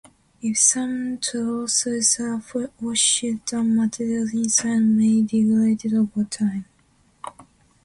If some trousers are washed the material inside may degrade over time.